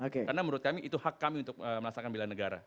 karena menurut kami itu hak kami untuk melaksanakan bela negara